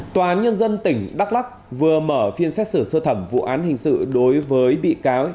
tòa án nhân dân tỉnh đắk lắc vừa mở phiên xét xử sơ thẩm vụ án hình sự đối với bị cáo